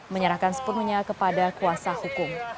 menyerahkan sepenuhnya kepada kuasa hukum